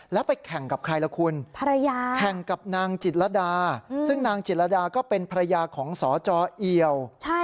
แล้วไปแข่งกับใครล่ะคุณภรรยาแข่งกับนางจิตรดาซึ่งนางจิตรดาก็เป็นภรรยาของสจเอียว